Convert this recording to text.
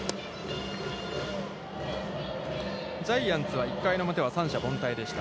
ジャイアンツは１回表は三者凡退でした。